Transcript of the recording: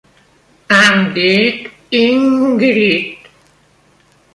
Em dic Íngrid.